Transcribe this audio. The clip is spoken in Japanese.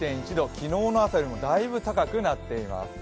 昨日の朝よりも大分高くなっています。